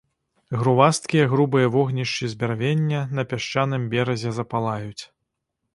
Грувасткія грубыя вогнішчы з бярвення на пясчаным беразе запалаюць.